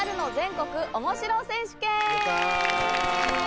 やった。